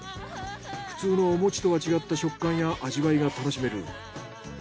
普通のお餅とは違った食感や味わいが楽しめる。